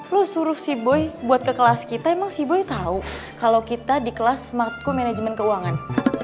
lo suruh si boy buat ke kelas kita emang si boy tau kalo kita di kelas smartco management keuangan